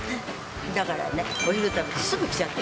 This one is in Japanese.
だからね、お昼食べてすぐ来ちゃった。